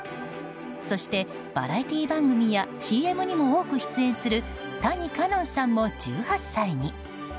そして、バラエティー番組やＣＭにも多く出演する谷花音さんも１８歳に。